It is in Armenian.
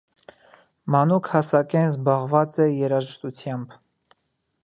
Մանուկ հասակէն զբաղած է երաժշտութեամբ։